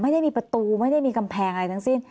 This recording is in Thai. ไม่ได้มีประตูไม่ได้มีกำแพงอะไรทั้งสิ้น